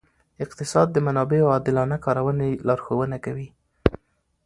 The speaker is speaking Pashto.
اقتصاد د منابعو عادلانه کارونې لارښوونه کوي.